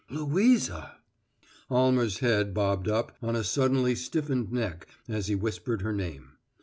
"Louisa!" Almer's head bobbed up on a suddenly stiffened neck as he whispered her name.